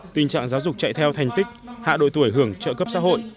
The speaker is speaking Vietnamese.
tình trạng giáo dục chạy theo thành tích hạ độ tuổi hưởng trợ cấp xã hội